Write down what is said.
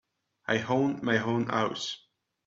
I own my own house.